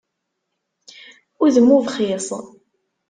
Udem ubxiṣ.